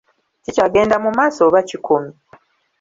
Kikyagenda mu maaso oba kikomye?